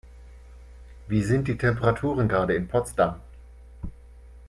Wie sind die Temperaturen gerade in Potsdam?